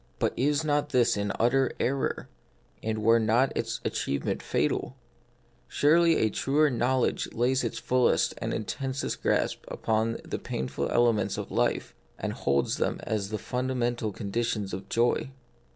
But is not this an utter error, and were not its achievement fatal ? Surely a truer knowledge lays its fullest and intensest grasp upon the painful elements of life, and holds them as the fundamental conditions of its joy.